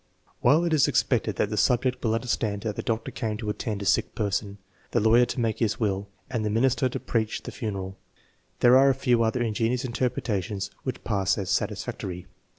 While it is expected that the subject will understand that the doctor came to attend a sick person, the lawyer to make his will, TEST NO. XIV, 4 317 and the minister to preach the funeral, there are a few other in genious interpretations which pass as satisfactory.